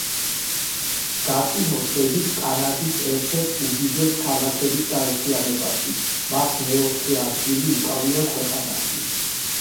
გატინო შედის კანადის ერთ-ერთ უდიდეს ქალაქების გაერთიანებაში, მას მეოთხე ადგილი უკავია ქვეყანაში.